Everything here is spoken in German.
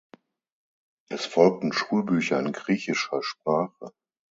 Es folgten Schulbücher in griechischer Sprache.